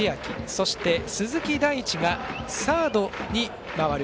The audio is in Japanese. そして、鈴木大地がサードに回る。